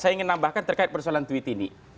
saya ingin nambahkan terkait persoalan tweet ini